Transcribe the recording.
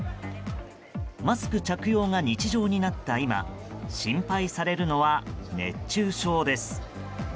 マスク着用が日常になった今心配されるのは熱中症です。